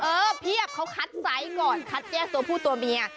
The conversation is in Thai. เพียบเขาคัดไซส์ก่อนคัดแยกตัวผู้ตัวเมีย